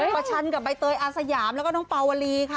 ประชันกับใบเตยอาสยามแล้วก็น้องปาวลีค่ะ